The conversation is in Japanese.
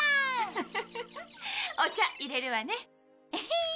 フフフフお茶いれるわね。